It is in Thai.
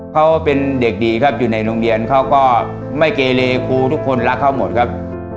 เขาเป็นเด็กดีครับอยู่ในโรงเรียนเขาก็ไม่เกเลครูทุกคนรักเขาหมดครับ